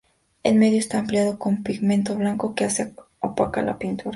El medio está ampliado con pigmento blanco, que hace opaca la pintura.